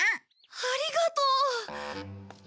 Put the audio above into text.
ありがとう！